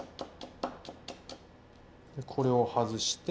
これを外して。